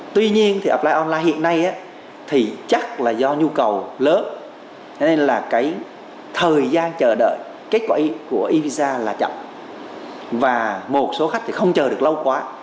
tuy nhiên thì offlines hiện nay thì chắc là do nhu cầu lớn nên là cái thời gian chờ đợi kết quả của visa là chậm và một số khách thì không chờ được lâu quá